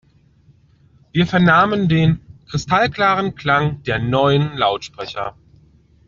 Wir vernahmen den kristallklaren Klang der neuen Lautsprecher.